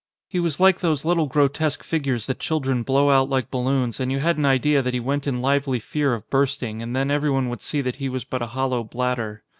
He was like those little grotesque figures that children blow out like balloons and you had an idea that he went in lively fear of bursting and then everyone would see that he was but a hollow bladder.